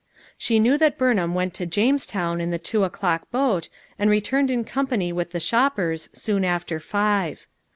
She knew that Burnham went to Jamestown in the two o'clock boat and returned in company with the shoppers soon after five.